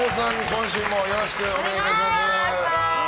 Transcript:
今週もよろしくお願いいたします。